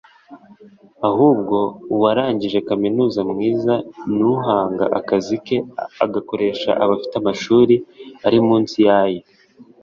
Ahubwo uwarangije kaminuza mwiza ni uhanga akazi ke agakoresha abafite amashuri ari munsi y’aye